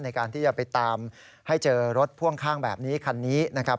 ในการที่จะไปตามให้เจอรถพ่วงข้างแบบนี้คันนี้นะครับ